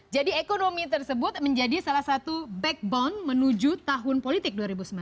jadi ekonomi tersebut menjadi salah satu backbone menuju tahun politik dua ribu sembilan belas